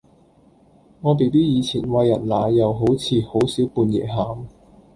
我 bb 以前餵人奶又好似好少半夜喊